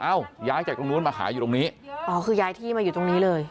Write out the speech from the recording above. ย้ายจากตรงนู้นมาขายอยู่ตรงนี้อ๋อคือย้ายที่มาอยู่ตรงนี้เลย